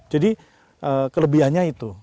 jadi kelebihannya itu